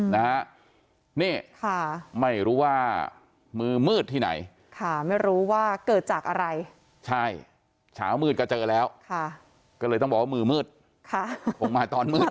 ก็เลยต้องบอกว่ามือมืดค่ะผมหมายตอนมืดนั่นแหละตอนมืดอ่า